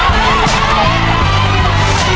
ครอบครัวของแม่ปุ้ยจังหวัดสะแก้วนะครับ